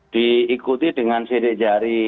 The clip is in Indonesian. diikuti dengan cd jari